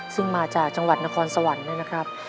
ซึ่งมาจากจังหวัดนครสวรรค์นะครับ